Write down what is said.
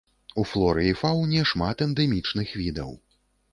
У флоры і фауне шмат эндэмічных відаў.